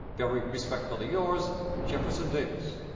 "Very respectfully yours, "Jefferson Davis."